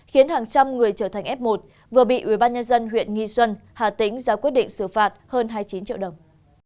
khiến hàng trăm người trở thành f một vừa bị ubnd huyện nghi xuân hà tĩnh ra quyết định xử phạt hơn hai mươi chín triệu đồng